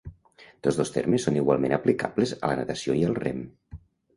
Tots dos termes són igualment aplicables a la natació i al rem.